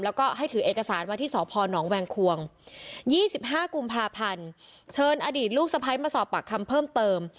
แล้วก็ให้ถือเอกสารมาที่สพนแวงควง๒๕กุมภาพันธ์เชิญอดีตลูกสะพ้ายมาสอบปากคำเพิ่มเติม